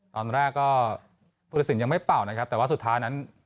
ตอนแรกก็พุทธศิลปยังไม่เป่านะครับแต่ว่าสุดท้ายนั้น